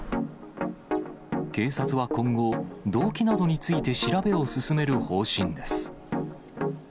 警察は今後、動機などについて調べを進める方針です。